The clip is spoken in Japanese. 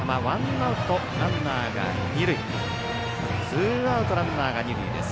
ツーアウト、ランナーが二塁です。